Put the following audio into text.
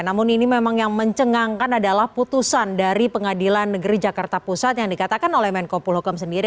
namun ini memang yang mencengangkan adalah putusan dari pengadilan negeri jakarta pusat yang dikatakan oleh menteri koordinator politik hukum wengkopol hukam sendiri